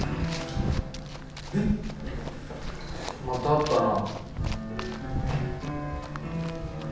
また会ったな。